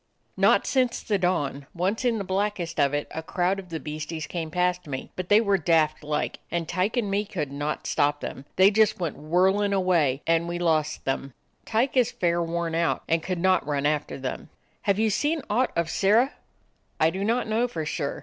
" "Not since the dawn. Once in the black est of it a crowd of the beasties came past me, but they were daft like, and Tyke and me could not stop them. They just went whirlin' 90 A DOG OF THE ETTRICK HILLS away, and we lost them. Tyke is fair worn out, and could not run after theml" "Have ye seen aught of Sirrah?" "I do not know for sure.